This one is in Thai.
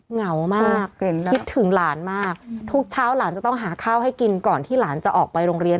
เหงามากคิดถึงหลานมากทุกเช้าหลานจะต้องหาข้าวให้กินก่อนที่หลานจะออกไปโรงเรียน